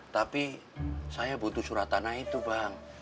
tapi saya butuh surat tanah itu bang